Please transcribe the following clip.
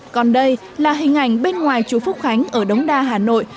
còn đây là hình ảnh bên ngoài chú phúc khánh ở đống đa hà nội